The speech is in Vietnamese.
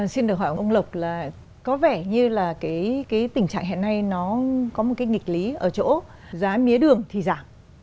xin được hỏi ông lộc là có vẻ như là cái tình trạng hiện nay nó có một cái nghịch lý ở chỗ giá mía đường thì giảm